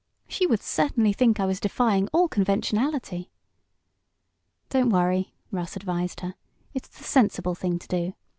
"She would certainly think I was defying all conventionality." "Don't worry." Russ advised her. "It's the sensible thing to do.